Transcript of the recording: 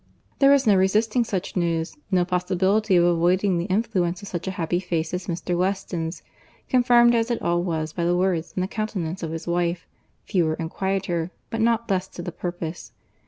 There was no resisting such news, no possibility of avoiding the influence of such a happy face as Mr. Weston's, confirmed as it all was by the words and the countenance of his wife, fewer and quieter, but not less to the purpose.